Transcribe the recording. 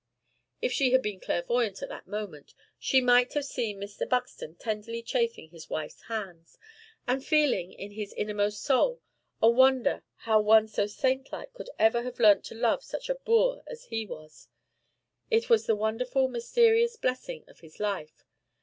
(If she had been clairvoyante at that moment, she might have seen Mr. Buxton tenderly chafing his wife's hands, and feeling in his innermost soul a wonder how one so saint like could ever have learnt to love such a boor as he was; it was the wonderful mysterious blessing of his life.